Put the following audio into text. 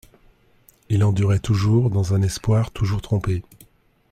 Il endurait toujours, dans un espoir toujours trompé.